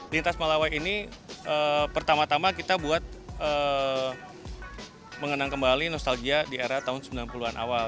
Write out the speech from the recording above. lintas malawai ini pertama tama kita buat mengenang kembali nostalgia di era tahun sembilan puluh an awal